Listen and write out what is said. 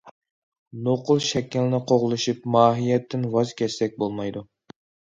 نوقۇل شەكىلنى قوغلىشىپ، ماھىيەتتىن ۋاز كەچسەك بولمايدۇ.